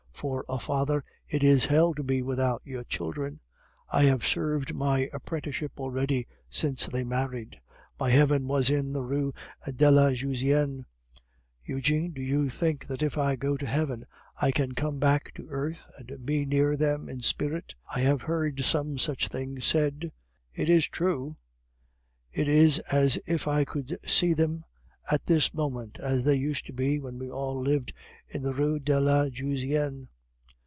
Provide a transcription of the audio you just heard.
For a father it is hell to be without your children; I have served my apprenticeship already since they married. My heaven was in the Rue de la Jussienne. Eugene, do you think that if I go to heaven I can come back to earth, and be near them in spirit? I have heard some such things said. It is true? It is as if I could see them at this moment as they used to be when we all lived in the Rue de la Jussienne.